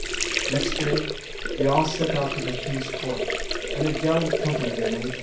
Next day they a' set out for the King's Court, and a gallant company they made.